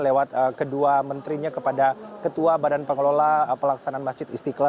lewat kedua menterinya kepada ketua badan pengelola pelaksanaan masjid istiqlal